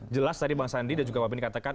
jelas tadi bang sandi dan juga pak beni katakan